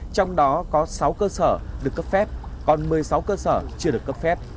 trong đó có sáu cơ sở được cấp phép còn một mươi sáu cơ sở chưa được cấp phép